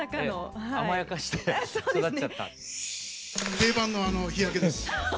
定番の日焼けです。